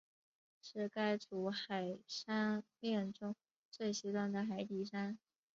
是该组海山炼中最西端的海底山。